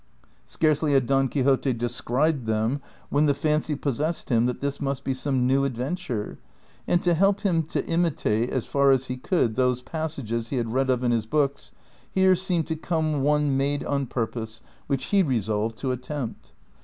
Scarcely had Don Quixote descried them when the fancy possessed him that this must be some new adventure ; and to help him to imitate as far as he could those passages ^ he had read of in his books, here seemed to come one made on purpose, which he resolved to attempt.